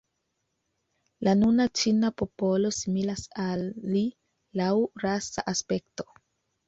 La nuna ĉina popolo similas al li laŭ rasa aspekto.